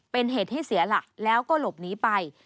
เป็นเหตุให้เสียหลักแล้วก็หลบหนีไป